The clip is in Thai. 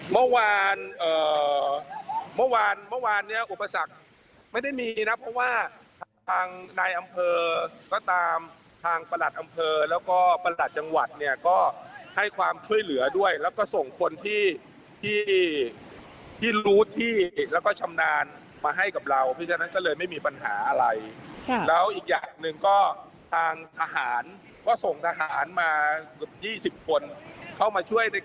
เมื่อวานเมื่อวานเนี้ยอุปสรรคไม่ได้มีนะเพราะว่าทางนายอำเภอก็ตามทางประหลัดอำเภอแล้วก็ประหลัดจังหวัดเนี่ยก็ให้ความช่วยเหลือด้วยแล้วก็ส่งคนที่ที่รู้ที่แล้วก็ชำนาญมาให้กับเราเพราะฉะนั้นก็เลยไม่มีปัญหาอะไรแล้วอีกอย่างหนึ่งก็ทางทหารก็ส่งทหารมาเกือบ๒๐คนเข้ามาช่วยใน